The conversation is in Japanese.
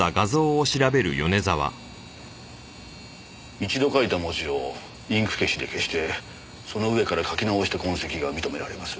一度書いた文字をインク消しで消してその上から書き直した痕跡が認められます。